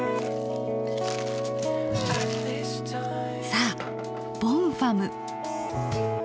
さあボンファム。